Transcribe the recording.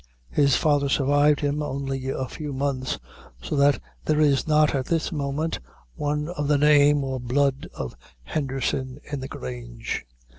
His father survived him only a few months, so that there is not at this moment, one of the name or blood of Henderson in the Grange.